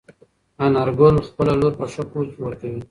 انارګل خپله لور په ښه کور کې ورکوي.